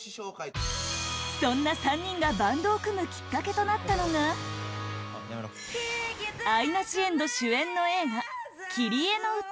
そんな３人がバンドを組むきっかけとなったのがアイナ・ジ・エンド主演の映画「キリエのうた」